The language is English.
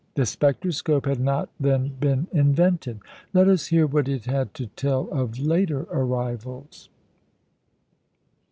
The spectroscope had not then been invented. Let us hear what it had to tell of later arrivals.